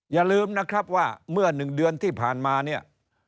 อย่าลืมนะครับว่าเมื่อ๑เดือนที่ผ่านมาเนี่ย